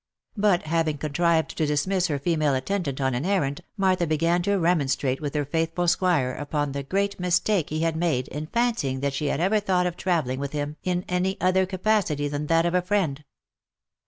But having contrived to dismiss her female attendant on an errand, Martha began to remonstrate with her faithful squire upon the great mistake he had made in fancying that she had ever thought of travelling with him in any other capacity than that of a friend.